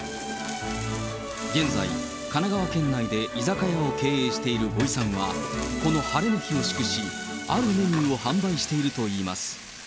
現在、神奈川県内で居酒屋を経営している五井さんは、この晴れの日を祝し、あるメニューを販売しているといいます。